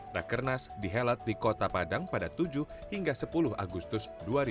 rakernas dihelat di kota padang pada tujuh hingga sepuluh agustus dua ribu dua puluh